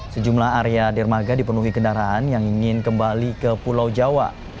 sejumlah area dermaga dipenuhi kendaraan yang ingin kembali ke pulau jawa